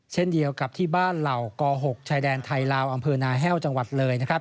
เช่นเดียวกับที่บ้านเหล่าก๖ชายแดนไทยลาวอำเภอนาแห้วจังหวัดเลยนะครับ